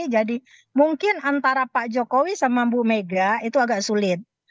jadi mungkin antara pak jokowi sama bu mega itu agak sulit